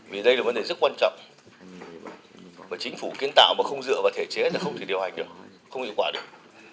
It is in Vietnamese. vì đây là vấn đề rất quan trọng mà chính phủ kiến tạo mà không dựa vào thể chế là không thể điều hành được không hiệu quả được